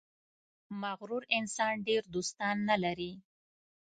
• مغرور انسان ډېر دوستان نه لري.